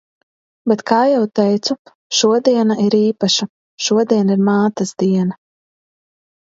Bet kā jau teicu, šodiena ir īpaša – šodien ir Mātes diena.